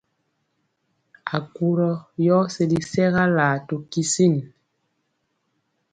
Akurɔ yɔ sili sɛgalaa to kisin.